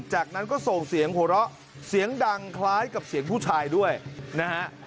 จากนั้นก็ส่งเสียงหัวเราะเสียงดังคล้ายกับเสียงผู้ชายด้วยนะฮะ